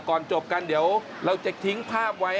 ก่อนจบกันเดี๋ยวเราจะทิ้งภาพไว้